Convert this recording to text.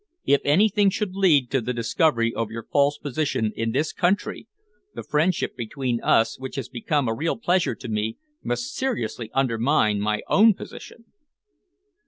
If anything should lead to the discovery of your false position in this country, the friendship between us which has become a real pleasure to me must seriously undermine my own position."